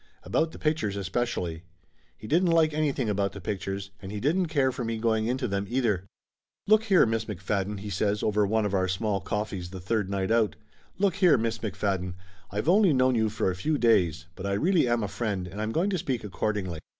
About the pictures, especially. He didn't like anything about the pictures, and he didn't care for me going into them either. "Look here, Miss McFadden!" he says over one of our small coffees the third night out. "Look here, Miss McFadden, I've only known you for a few days, but I really am a friend, and I'm going to speak accordingly.